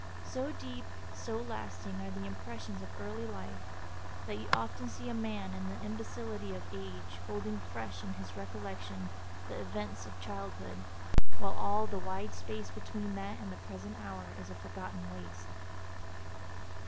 So deep, so lasting are the impressions of early life that you often see a man in the imbecility of age holding fresh in his recollection the events of childhood, while all the wide space between that and the present hour is a forgotten waste.